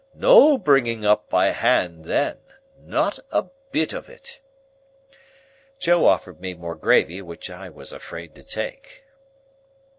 No bringing up by hand then. Not a bit of it!" Joe offered me more gravy, which I was afraid to take.